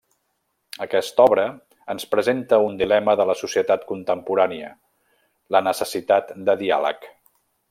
Aquesta obra ens presenta un dilema de la societat contemporània: la necessitat de diàleg.